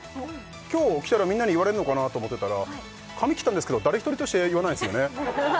今日来たらみんなに言われんのかなと思ってたら髪切ったんですけど誰一人として言わないですよね